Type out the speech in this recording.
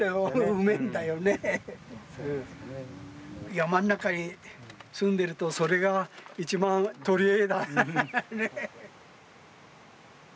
山の中に住んでるとそれが一番取り柄だね。